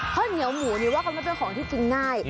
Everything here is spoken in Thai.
ข้าวเหนียวหมูนี่ว่าเขาไม่เป็นของที่กินง่าย